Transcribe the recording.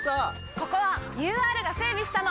ここはＵＲが整備したの！